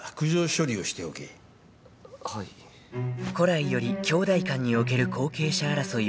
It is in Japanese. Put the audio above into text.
［古来より兄弟間における後継者争いはよくあること］